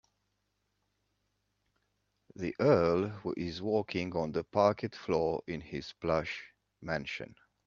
The earl is walking on the parquet floor in his plush mansion.